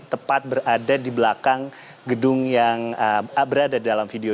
tepat berada di belakang gedung yang berada dalam video